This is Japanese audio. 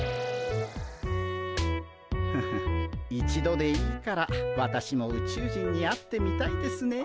ハハッ一度でいいから私も宇宙人に会ってみたいですねえ。